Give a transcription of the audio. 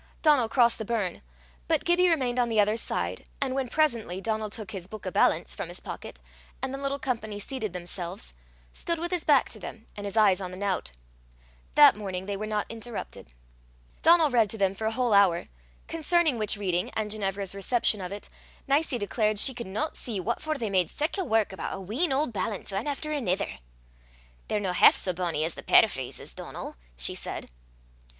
Donal crossed the burn, but Gibbie remained on the other side, and when presently Donal took his "buik o' ballants" from his pocket, and the little company seated themselves, stood with his back to them, and his eyes on the nowt. That morning they were not interrupted. Donal read to them for a whole hour, concerning which reading, and Ginevra's reception of it, Nicie declared she could not see what for they made sic a wark aboot a wheen auld ballants, ane efter anither. "They're no half sae bonnie as the paraphrases, Donal," she said.